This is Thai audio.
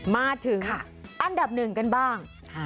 มาถึงอันดับหนึ่งกันบ้าง